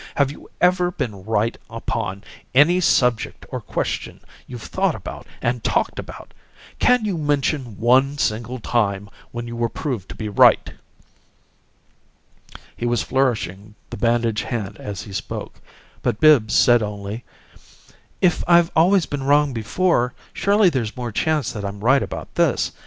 Have you ever been right upon any subject or question you've thought about and talked about? Can you mention one single time when you were proved to be right?" He was flourishing the bandaged hand as he spoke, but Bibbs said only, "If I've always been wrong before, surely there's more chance that I'm right about this.